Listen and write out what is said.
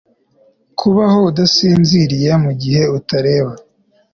Kubaho udasinziriye mugihe utareba